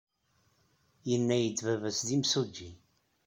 Yenna-iyi-d baba-s d imsujji.